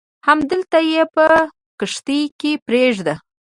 همدلته یې په کښتۍ کې پرېږده.